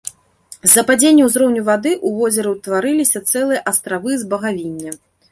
З-за падзення ўзроўню вады ў возеры ўтварыліся цэлыя астравы з багавіння.